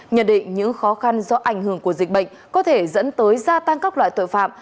nhận định những khó khăn do ảnh hưởng của dịch bệnh có thể dẫn tới gia tăng các loại tội phạm